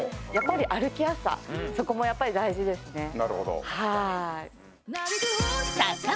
やっぱり歩きやすさ、そこも大事ですね。